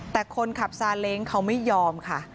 แต่คนขับซาเล้งเขาไม่ยอมค่ะ